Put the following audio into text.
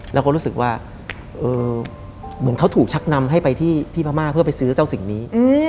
แล้วก็รู้สึกว่าเหมือนเขาถูกชักนำให้ไปที่พม่าเพื่อไปซื้อเจ้าสิ่งนี้